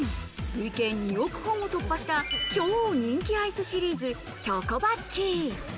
累計２億本を突破した超人気アイスシリーズ、チョコバッキー。